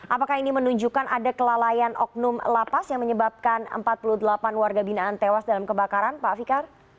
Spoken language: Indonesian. apakah ini menunjukkan ada kelalaian oknum lapas yang menyebabkan empat puluh delapan warga binaan tewas dalam kebakaran pak fikar